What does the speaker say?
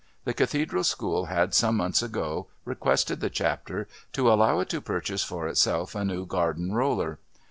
The Cathedral School had some months ago requested the Chapter to allow it to purchase for itself a new garden roller.